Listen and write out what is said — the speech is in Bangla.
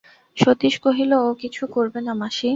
সতীশ কহিল, ও কিছু করবে না মাসি!